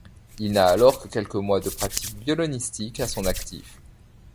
Il n'a alors que quelques mois de pratique violonistique à son actif...